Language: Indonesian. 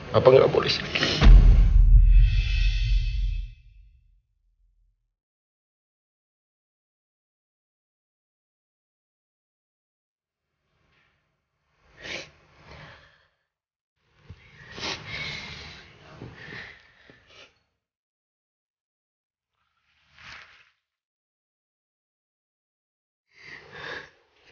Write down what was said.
bapak gak boleh sakit